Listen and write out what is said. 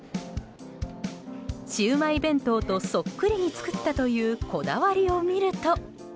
シウマイ弁当とそっくりに作ったというこだわりを見ると。